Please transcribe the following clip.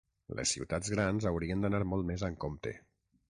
Les ciutats grans haurien d’anar molt més amb compte.